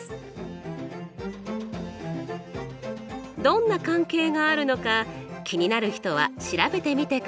どんな関係があるのか気になる人は調べてみてくださいね。